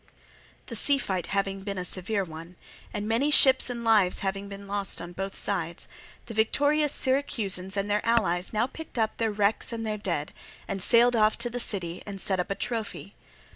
The sea fight having been a severe one, and many ships and lives having been lost on both sides, the victorious Syracusans and their allies now picked up their wrecks and dead, and sailed off to the city and set up a trophy.